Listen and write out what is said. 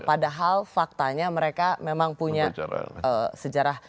padahal faktanya mereka memang punya sejarah